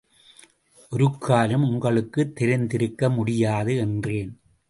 ஒருக்காலும் உங்களுக்குத் தெரிந்திருக்க முடியாது. என்றேன்.